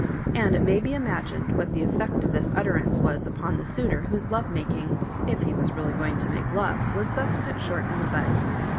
And it may be imagined what the effect of this utterance was upon the suitor whose lovemaking (if he was really going to make love) was thus cut short in the bud.